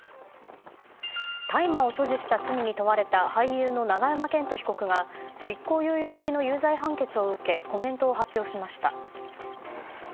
大麻を所持した罪に問われた俳優の永山絢斗被告が執行猶予付きの有罪判決を受けコメントを発表しました。